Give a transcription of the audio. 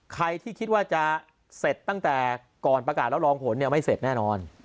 ใครที่คิดว่าจะเสร็จตั้งแต่ก่อนประกาศแล้วรองผลไม่เสร็จแน่นอน